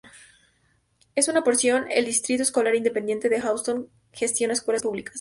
En una porción, el Distrito Escolar Independiente de Houston gestiona escuelas públicas.